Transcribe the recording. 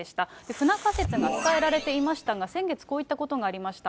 不仲説が伝えられていましたが、先月、こういったことがありました。